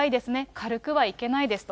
軽くは行けないですと。